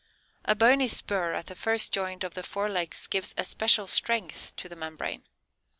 A bony spur at the first joint of the fore legs gives especial strength to the membrane.